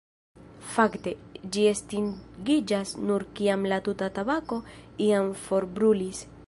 Fakte, ĝi estingiĝas nur kiam la tuta tabako jam forbrulis.